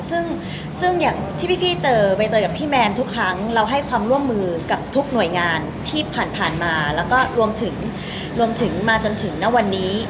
ซึ่งอย่างที่พี่เจอใบเตยกับพี่แมนทุกครั้งเราให้ความร่วมมือกับทุกหน่วยงานที่ผ่านมาแล้วก็รวมถึงรวมถึงมาจนถึงณวันนี้